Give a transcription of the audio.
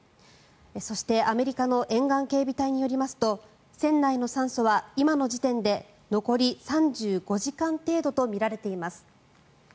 そしてアメリカの沿岸警備隊によりますと船内の酸素は今の時点で残り３５時間程度とみられています。